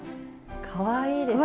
かわいいですね。